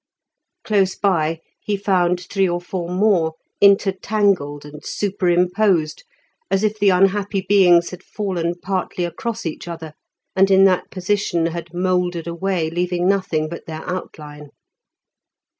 Close by he found three or four more, intertangled and superimposed as if the unhappy beings had fallen partly across each other, and in that position had mouldered away leaving nothing but their outline.